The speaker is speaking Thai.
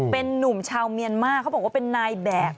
เป็นนุ่มชาวเมียนมาร์เขาบอกว่าเป็นนายแบบ